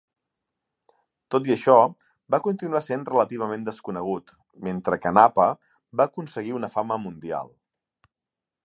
Tot i això, va continuar sent relativament desconegut, mentre que Napa va aconseguir una fama mundial.